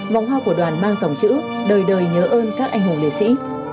vòng hoa của đoàn mang dòng chữ đời đời nhớ ơn các anh hùng liệt sĩ